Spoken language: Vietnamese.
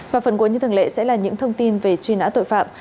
và phần cuối như thường lệ sẽ là những thông tin về truy nã tội phạm